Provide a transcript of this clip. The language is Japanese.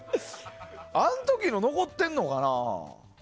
あの時の残ってるのかな？